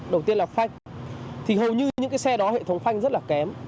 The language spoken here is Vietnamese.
đầu tiên là phanh thì hầu như những cái xe đó hệ thống phanh rất là kém